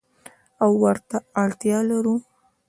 او ورته اړتیا لرو.